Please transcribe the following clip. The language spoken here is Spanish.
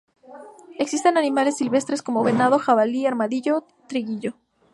Existen animales silvestres como venado, jabalí, armadillo, tigrillo.